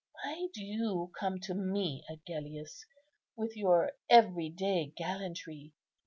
Why do you come to me, Agellius, with your every day gallantry.